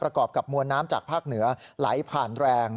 ประกอบกับมวลน้ำจากภาคเหนือไหลผ่านแรง